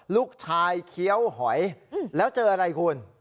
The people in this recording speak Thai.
ลูกชายเคี้ยวหอยแล้วเจออะไรคุณ